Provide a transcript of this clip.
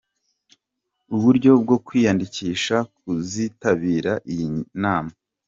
Uburyo bwo kwiyandikisha kuzitabira iyi nama.